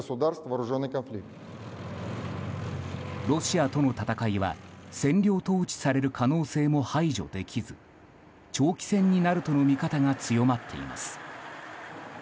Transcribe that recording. ロシアとの戦いは占領統治される可能性も排除できず長期戦になるとの見方が強まっています。